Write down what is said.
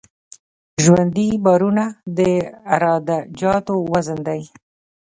ژوندي بارونه د عراده جاتو وزن دی